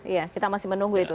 iya kita masih menunggu itu